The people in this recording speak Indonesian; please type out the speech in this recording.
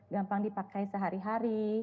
gampang dipakai sehari hari